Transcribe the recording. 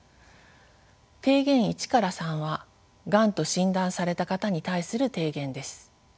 提言１から３はがんと診断された方に対する提言です。